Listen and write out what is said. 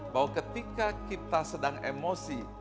bahwa ketika kita sedang emosi